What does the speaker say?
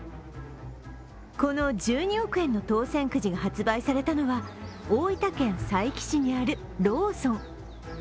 この１２億円の当せんくじが発売されたのは大分県佐伯市にあるローソン。